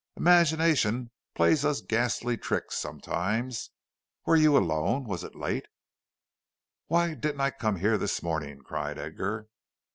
Imagination plays us ghastly tricks sometimes. Were you alone? Was it late?" "Why didn't I come here this morning?" cried Edgar.